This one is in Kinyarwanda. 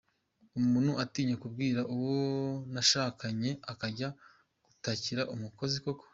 Umuntu atinya kubwira uwo nashakanye akajya gutakira umukozi koko?.